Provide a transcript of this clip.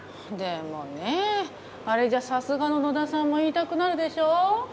でもねあれじゃさすがの野田さんも言いたくなるでしょう？